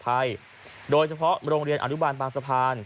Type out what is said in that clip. เพื่อความปลอดภัยโดยเฉพาะโรงเรียนอนุบาลบางสะพาน